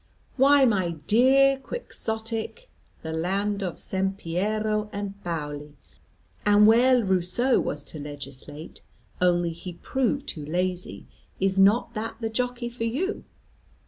Why, my dear Quixotic, the land of Sampiero and Paoli, and where Rousseau was to legislate, only he proved too lazy, is not that the jockey for you?